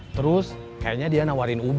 terus kayaknya dia nawarin ub